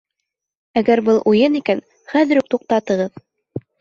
Әгәр был уйын икән, хәҙер үк туҡтатығыҙ!